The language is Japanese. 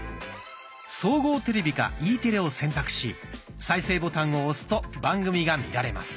総合テレビかＥテレを選択し再生ボタンを押すと番組が見られます。